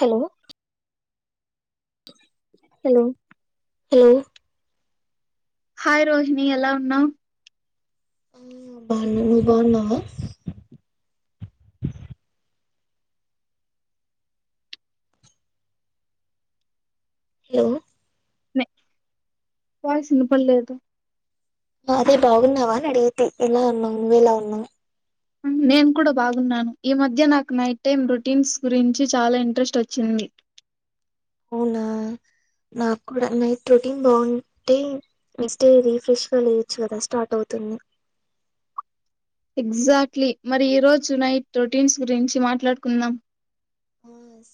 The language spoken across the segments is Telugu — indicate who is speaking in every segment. Speaker 1: Hello hello hello
Speaker 2: hi Rohini ఎలా ఉన్నావ్
Speaker 1: ఆ బావున నువ్ బాగునావా హలో
Speaker 2: వాయిస్ ఇనపడలేదు
Speaker 1: అదే బాగున్నావా అడిగితే ఎలా ఉన్నావు నువ్వు ఎలా ఉన్నావు
Speaker 2: నేను కూడా బాగున్నాను ఈ మధ్య నాకు నైట్ టైమ్ రొటీన్స్ గురించి చాలా ఇంట్రెస్ట్ వచ్చింది
Speaker 1: ఒనా నాకు కూడా నైట్ రొటీన్ బాగుంటే నెక్ట్ రీఫ్రెష్గా లేయచ్చు కదా స్టార్ట్ అవుతు ఎమో
Speaker 2: ఎగ్జాక్ట్లీ మరి ఈరోజు నైట్ రొటీన్స్ గురించి మాట్లాడుకుందాం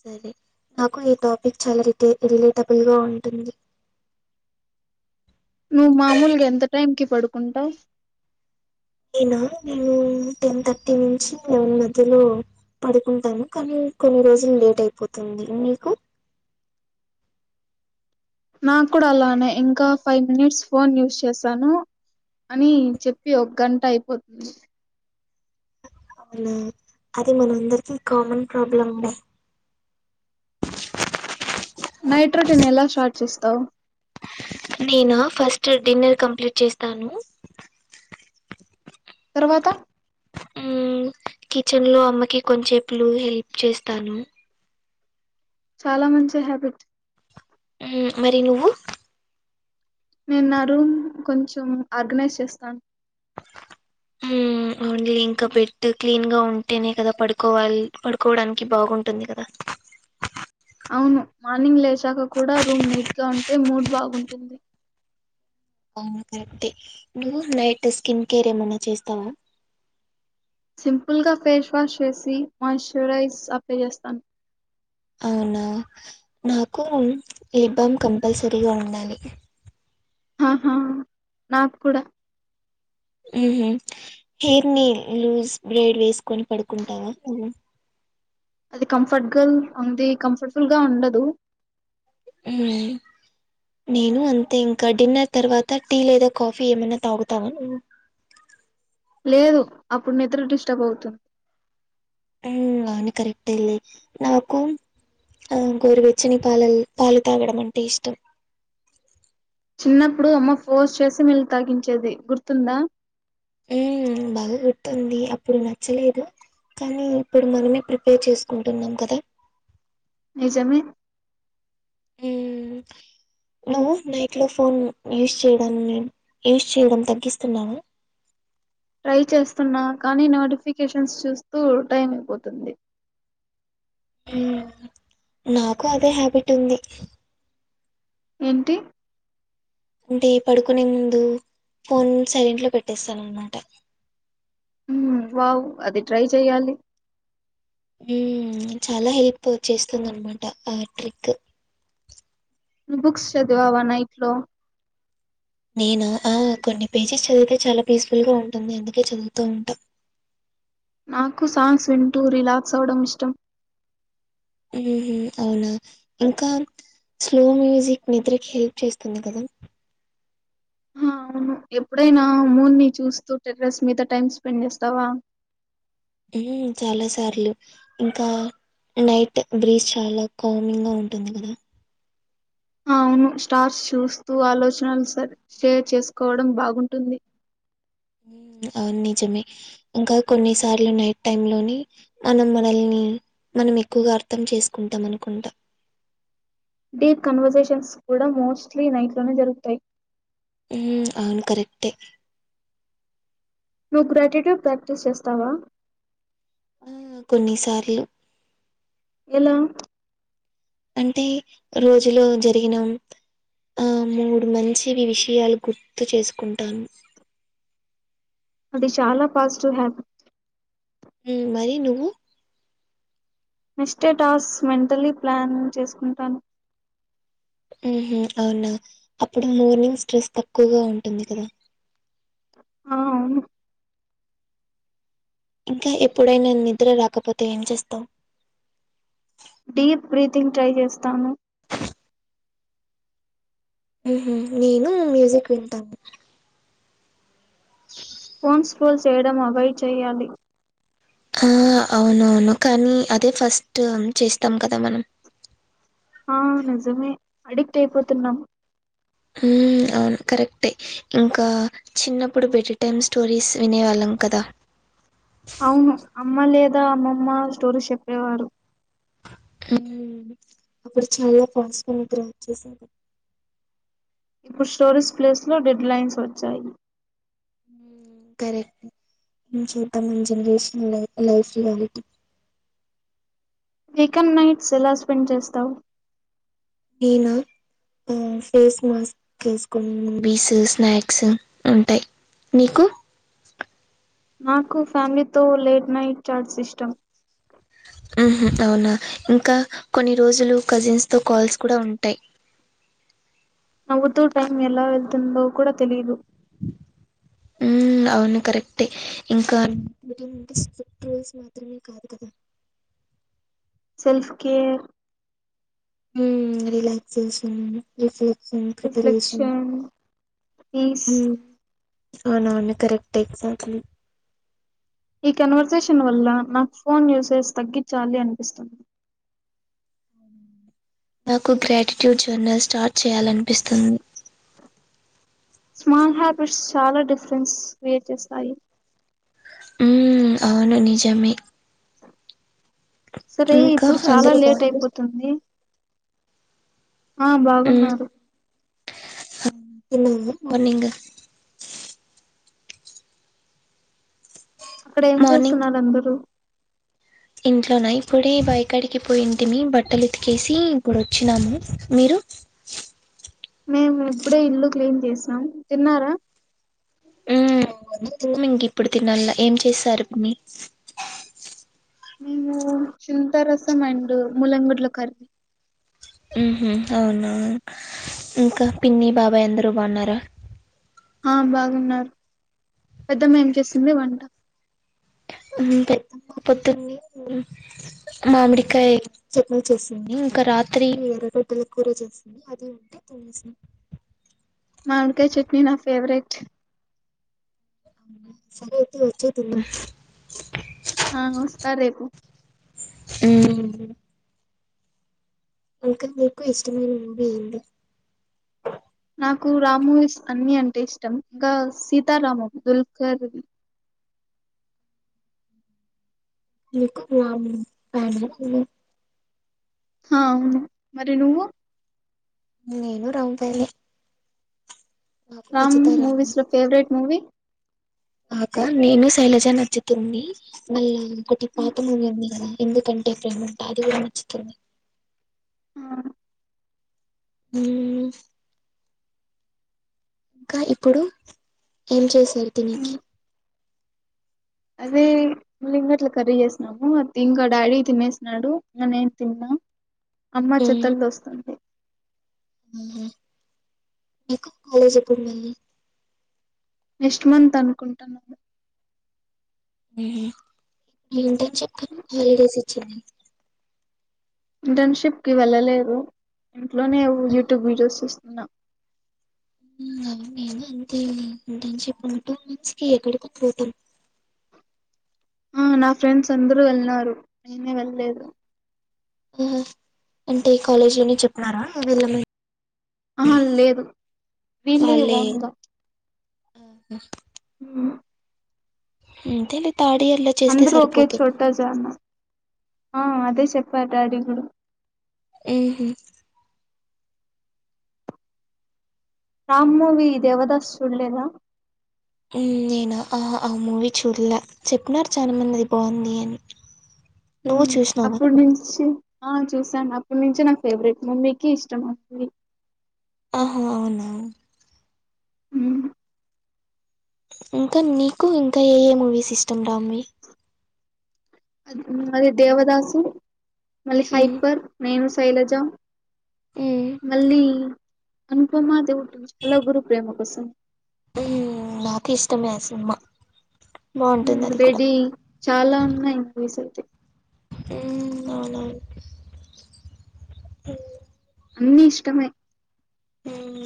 Speaker 1: సరే నాకు ఈ టాపిక్ చాలా రిట రిలేటబుల్ గా ఉంటుంది
Speaker 2: నువ్వు మామూలుగా ఎంత టైం కి పడుకుంటావు
Speaker 1: నేనా నేను టెన్ థర్టీ నుంచి లెవెన్ మధ్యలో పడుకుంటాను కానీ కొన్ని రోజులు లేట్ అయిపోతుంది మీకు
Speaker 2: నాకు కూడా అలానే ఇంకా ఫైవ్ మినిట్స్ ఫోన్ యూస్ చేశాను అని చెప్పి ఒక గంట అయిపోతుంది
Speaker 1: అవునా అది మనందరికి కామన్ ప్రాబ్లం లే
Speaker 2: నైట్ రొటీన్ ఎలా స్టార్ట్ చేస్తావు?
Speaker 1: నేనా ఫస్ట్ డిన్నర్ కంప్లీట్ చేస్తాను.
Speaker 2: తర్వాత
Speaker 1: కిచెన్ లో అమ్మకి కొంచేపులు హెల్ప్ చేస్తాను.
Speaker 2: చాలా మంచి హ్యాబిట్.
Speaker 1: మరి నువ్వు?
Speaker 2: నేను నా రూమ్ కొంచెం ఆర్గనైజ్ చేస్తాను.
Speaker 1: హ్ ఒన్లీ ఇంకా బెడ్డు క్లీన్ గా ఉంటేనే కదా పడుకోవాలి, పడుకోవడానికి బాగుంటుంది కదా.
Speaker 2: అవును మార్నింగ్ లేచాక కూడా రూమ్ నీట్ గా ఉంటే మూడ్ బాగుంటుంది.
Speaker 1: అవును కరెక్టే. నువ్వు నైట్ స్కిన్ కేర్ ఏమన్నా చేస్తావా?
Speaker 2: సింపుల్ గా ఫేష్ వాష్ చేసి మాయిశ్చరైజ్ అప్లై చేస్తాను.
Speaker 1: అ అవునా నాకు లిబ్ బామ్ కంపల్సరీగా ఉండాలి.
Speaker 2: హా హా నాకు కూడా.
Speaker 1: ఉహ్ హెయిర్ ని లూజ్ బ్రేడ్ వేసుకొని పడుకుంటావా నువ్వు.
Speaker 2: అది కంఫర్ట్గాల్ ఉంది, కంఫర్ట్బుల్ గా ఉండదు.
Speaker 1: హ్ నేను అంతే ఇంకా డిన్నర్ తర్వాత టీ లేదా కాఫీ ఏమన్నా తాగుతావా నువ్వు.
Speaker 2: లేదు అప్పుడు నిద్ర డిస్టర్బ్ అవుతుం
Speaker 1: అని కరెక్టేలే. నాకు ఆ గోరువెచ్చని పాల పాలు తాగడం అంటే ఇష్టం.
Speaker 2: చిన్నప్పుడు అమ్మ ఫోర్స్ చేసి మిల్క్ తాగించేది గుర్తుందా.
Speaker 1: ఉ బాగా గుర్తుంది అప్పుడు నచ్చలేదు. కానీ ఇప్పుడు మనమే ప్రిపేర్ చేసుకుంటున్నాం కదా.
Speaker 2: నిజమే
Speaker 1: హ్ నువ్వు నైట్ లో ఫోన్ యూజ్ చేయడం యూస్ చేయడం తగ్గిస్తున్నావా.
Speaker 2: ట్రై చేస్తున్నా కానీ నోటిఫికేషన్స్ చూస్తూ టైం అయిపోతుంది.
Speaker 1: హ్ నాకు అదే హ్యాబిట్ ఉంది.
Speaker 2: ఏంటి?
Speaker 1: అంటే పడుకునే ముందు ఫోన్ సైలెంట్ లో పెట్టేస్తాన్నమాట.
Speaker 2: వావ్ అది ట్రై చెయ్యాలి.
Speaker 1: చాలా హెల్ప్ చేస్తుంది అనమాట ఆ ట్రిక్.
Speaker 2: నువ్ బుక్స్ చదివావా నైట్ లో.
Speaker 1: నేను ఆ కొన్ని పేజెస్ చదివితే చాలా పీస్ఫుల్ గా ఉంటుంది అందుకే చదువుతూ ఉంటా.
Speaker 2: నాకు సాంగ్స్ వింటూ రిలాక్స్ అవ్వడం ఇష్టం.
Speaker 1: ఉహ్ అవునా ఇంకా. స్లో మ్యూజిక్ నిద్రకి హెల్ప్ చేస్తుంది కదా.
Speaker 2: ఆ అవును ఎప్పుడైనా మూన్ ని చూస్తూ టెర్రస్ మీద టైమ్ స్పెండ్ చేస్తావా.
Speaker 1: చాలా సార్లు ఇంకా నైట్ బ్రీజ్ చాలా కామింగ్ గా ఉంటుంది కదా
Speaker 2: అవును స్టార్స్ చూస్తూ ఆలోచనలు షేర్ చేసుకోవడం బాగుంటుంది
Speaker 1: అవును నిజమే ఇంకా కొన్నిసార్లు నైట్ టైమ్ లోని మనం మనల్ని మనం ఎక్కువగా అర్థం చేసుకుంటాం అనుకుంటా
Speaker 2: డీప్ కన్వర్సేషన్స్ కూడా మోస్ట్లీ నైట్ లోనే జరుగుతాయి
Speaker 1: హ్మ్ అవును కరెక్టే
Speaker 2: నువ్వు గ్రాటిట్యుడ్ ప్రాక్టీస్ చేస్తావా
Speaker 1: హ్మ్ కొన్నిసార్లు
Speaker 2: ఎలా
Speaker 1: అంటే రోజులో జరిగిన ఆ మూడు మంచివి విషయాలు గుర్తు చేసుకుంటాను
Speaker 2: అది చాలా పాజిటివ్ హ్యాబిట్
Speaker 1: మరి నువ్వు
Speaker 2: నెక్స్టే టాస్క్ మెంటల్లీ ప్లాన్ చేసుకుంటాను
Speaker 1: మ్మ్ హూ అవునా అప్పుడు మోర్నింగ్ స్ట్రెస్ తక్కువగా ఉంటుంది కదా
Speaker 2: ఆ అవును
Speaker 1: ఇంకా ఎప్పుడైనా నిద్ర రాకపోతే ఏం చేస్తావు
Speaker 2: డీప్ బ్రీతింగ్ ట్రై చేస్తాను
Speaker 1: మ్మ్ హూ నేను మ్యూజిక్ వింటాను
Speaker 2: ఫోన్స్ యూస్ చేయడం అవాయిడ్ చేయాలి
Speaker 1: ఆ అవునవును కానీ అదే ఫస్ట్ చేస్తాం కదా మనం
Speaker 2: ఆ నిజమే ఎడిక్ట్ అయిపోతున్నాం
Speaker 1: హ్మ్ అవును కరెక్టే ఇంకా చిన్నప్పుడు బెట్ టైమ్ స్టోరీస్ వినేవాళ్ళం కదా
Speaker 2: అవును అమ్మ లేదా అమ్మమ్మ స్టోరీస్ చెప్పేవారు
Speaker 1: అప్పుడు చాలా ఫాస్టా నిద్ర వచ్చేసేది
Speaker 2: ఇప్పుడు స్టోరీస్ ప్లేస్ లో డెడ్ లైన్స్ వచ్చాయి
Speaker 1: హ కరెక్టే చూద్దామ్ మన generation life reality
Speaker 2: weekend nights ఎలా స్పెండ్ చేస్తావు
Speaker 1: నేనా ఆ ఫేస్ మాస్క్ వేసుకొని మూవీస్ స్నాక్స్ ఉంటాయి మీకు
Speaker 2: నాకు ఫ్యామిలీతో లేట్ నైట్ చాట్స్ ఇష్టం
Speaker 1: అవునా ఇంకా కొన్ని రోజులు కజిన్స్ తో కాల్స్ కూడా ఉంటాయ్
Speaker 2: నవ్వుతూ టైం ఎలా వెళ్తుందో కూడా తెలీదు
Speaker 1: హ్మ్ అవును కరెక్టే ఇంకా స్ట్రిక్ట్ రూల్స్ మాత్రమే కాదు కదా
Speaker 2: సెల్ఫ్ కేర్
Speaker 1: ఊ రిలాక్సేషన్ [unintelligible] [unintelligible] ప్రిపరేషన్
Speaker 2: రిఫ్లెక్షన్ పీస్
Speaker 1: ఉ అవునవును కరెక్టే ఎక్జాక్ట్లీ
Speaker 2: ఈ కన్వర్సేషన్ వల్ల [unintelligible] ఫోన్ యూసేజ్ తగ్గిచ్చాలి అనిపిస్తుంది
Speaker 1: నాకు గ్రాటిట్యూడ్ జర్నల్ స్టార్ట్ చేయాలనిపిస్తుంది
Speaker 2: స్మాల్ హ్యాబిట్స్ చాల డిఫరెన్స్ క్రియేట్ చేస్తాయి
Speaker 1: ఊ అవును నిజమే
Speaker 2: సరే
Speaker 1: ఇంకా
Speaker 2: ఇప్పుడు చాల
Speaker 1: అందరూ
Speaker 2: లేట్
Speaker 1: బాగున్నా
Speaker 2: అయిపోతుంది ఆ
Speaker 1: ఉమ్
Speaker 2: బాగున్నారు
Speaker 1: [unintelligible] మార్నింగ్
Speaker 2: అక్కడ ఏం చేస్తున్నారు అందరూ
Speaker 1: ఇంట్లోన ఇప్పుడే బాయి కడికి పోయింటిమి బట్టలు ఉతికేసీ ఇప్పుడు ఒచ్చినాము మీరు
Speaker 2: మేము ఇప్పుడే ఇల్లు క్లీన్ చేసినాం తిన్నార
Speaker 1: ఊ [unintelligible] ఇంక ఇప్పుడు తిన్నల్ల ఏం చేసారు పిన్ని
Speaker 2: మేమూ చింత రసం అండ్ ముల్లంగడ్ల కర్రీ
Speaker 1: ఉహు అవునా ఇంకా పిన్ని బాబయ్ అందరు బన్నార
Speaker 2: ఆ బాగున్నారు పెద్దమ్మ ఏం చేసింది వంట
Speaker 1: అంతే [unintelligible] మామిడికాయ్ చట్నీ చేసింది ఇంక రాత్రి ఎర్రగడ్డల కూర చేసింది అదే ఉంది [unintelligible]
Speaker 2: మావిడికాయ్ చట్నీ నా ఫేవరెట్
Speaker 1: అవునా సరే అయితే వచ్చేయ్ తిందాం
Speaker 2: ఆ వస్త రేపు
Speaker 1: ఊ ఇంకా మీకు ఇష్టమైన మూవీ ఏంది
Speaker 2: నాకు రామ్ మూవీస్ అన్ని అంటే ఇష్టం ఇంక సీతారామం దుల్కర్
Speaker 1: మీకు [unintelligible]
Speaker 2: హా అవును మరి నువ్వు
Speaker 1: నేను రామ్ ఫ్యానే నాకు
Speaker 2: రామ్ మూ
Speaker 1: నచ్చుతాయి
Speaker 2: మూవీస్ లో ఫేవరెట్ మూవీ
Speaker 1: ఆ అక్క నేను శైలజ నచ్చుతుంది మళ్ళా ఒకటి పాతమూవి ఉంది గదా ఎందుకం టే ప్రేమంట అది గూడ నచ్చుతుంది ఊ ఇంక ఇప్పుడు ఏం చేశారు తినేకి
Speaker 2: అదే ముల్లింగడ్ల కర్రీ చేసినాము అద్ ఇంకా డాడీ తినేసినాడు ఇంగ నేను తిన్న అమ్మ
Speaker 1: మ్మ్.
Speaker 2: చెత్తల్లోస్తోంది
Speaker 1: [unintelligible]
Speaker 2: నెష్ట్ మంత్ అనుకుంట [unintelligible]
Speaker 1: ఉ ఇంటర్న్షిప్ అని హాలిడేస్ ఇచ్చింది
Speaker 2: ఇంటర్న్షిప్ కి వెళ్ళలేదు ఇంట్లోనే ఉ యూట్యూబ్ వీడియోస్ చూస్తున్న
Speaker 1: ఊ అవును మేమూ అంతే ఇంటర్న్షిప్ ఉన్న టూ మంత్స్ కి ఎక్కడికో పోతం
Speaker 2: ఆ నా ఫ్రెండ్స్ అందరూ వెళ్ళినారు నేనే వెళ్లేదు
Speaker 1: ఉ హో అంటే కాలేజ్లోనే చెప్పిరా వెళ్ళమ
Speaker 2: ఆహా లేదు వీళ్ళే ఒన్గా
Speaker 1: హు
Speaker 2: ఉ
Speaker 1: ఉ అంతేలే థర్డ్ ఇయర్ లో చేస్తే
Speaker 2: అందరు ఒకే
Speaker 1: సరిపోతుంది
Speaker 2: చోట జానా ఆ అదే సేపా డాడీ గూడా
Speaker 1: ఎహు
Speaker 2: రామ్ మూవీ దేవదాస్ సుడలేదా
Speaker 1: హు నిన్నా ఆ ఆ మూవీ చూడలే చేపినారు చానా మంది అది బావుంది అని
Speaker 2: హు
Speaker 1: నువ్వు చూసినావా?
Speaker 2: అప్పుడునుచ్చి ఆ చూసాను అప్పటి నుంచే నా ఫేవరెట్ ముమ్మీకి ఇష్టం ఆ ఫిడి
Speaker 1: ఆహా అవునా
Speaker 2: హు
Speaker 1: ఇంకా నీకు ఇంకా ఏ ఏ మూవీస్ ఇష్టం దామని
Speaker 2: మ్ అది మరి దేవదాసు మళ్ళీ
Speaker 1: హ్మ్.
Speaker 2: ఫైపర్ నేను శైలజ
Speaker 1: హ్మ్.
Speaker 2: మళ్ళీ అనుపమా దుడ్ హాలో గురు ప్రేమ కోసం
Speaker 1: నాకి ఇష్టమే ఆ సినిమా
Speaker 2: హు
Speaker 1: బావుంటుందది కూడా.
Speaker 2: బెడీ చాలా ఉన్నాయి బిసెజీ
Speaker 1: హు అవునా హు
Speaker 2: అన్ని ఇష్టమే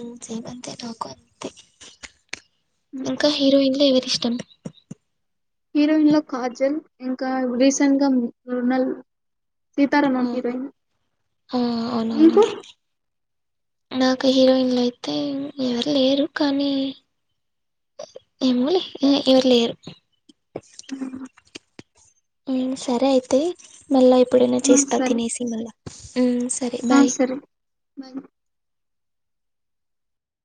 Speaker 1: ఇంతే అంతే నాకు అంతే ఇంకా హీరోయిన్ల ఎవరి ఇష్ట టం
Speaker 2: హీరోయిన్లో కాజల్ ఇంకా రీసెంట్గా రోనల్ సీతారామ
Speaker 1: ఆహా!
Speaker 2: హీరోయిన్
Speaker 1: ఆ!
Speaker 2: నీకు
Speaker 1: అవునవునులే. నాకు హీరోయిన్లైతే ఎవరు లేరు కానీ ఏమోలే ఏ ఎవరు లేరు
Speaker 2: ఉహ్
Speaker 1: హు సరే అయితే మళ్ళా ఎప్పుడైనా
Speaker 2: ఆ
Speaker 1: చేస్తా
Speaker 2: సరే
Speaker 1: తినేసి మళ్ళా హు సరే
Speaker 2: ఆ
Speaker 1: బాయ్
Speaker 2: సరే బాయ్